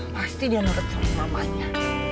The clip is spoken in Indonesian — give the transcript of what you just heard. pasti dia nurut sama mamanya